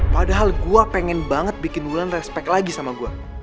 padahal gua pengen banget bikin wulan respect lagi sama gua